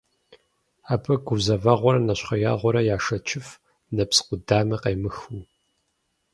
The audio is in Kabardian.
Абы гузэвгъуэри нэщхъеягъуэри яшэчыф, нэпс къудамэ къемыхыу.